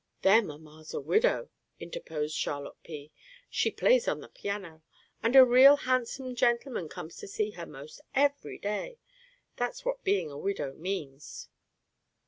"Their mamma's a widow," interposed Charlotte P. "She plays on the piano, and a real handsome gentleman comes to see her 'most every day. That's what being a widow means."